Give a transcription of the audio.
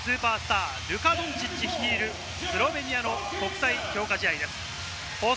日本とＮＢＡの若きスーパースター、ルカ・ドンチッチ率いるスロベニアの国際強化試合です。